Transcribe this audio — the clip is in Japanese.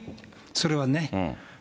それはね。